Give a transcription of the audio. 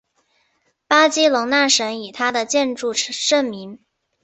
巴塞隆纳省以它的建筑盛名。